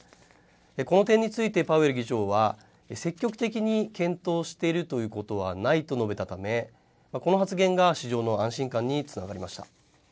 この点についてパウエル議長は、積極的に検討しているということはないと述べたため、この発言が市場の安心感につながりました。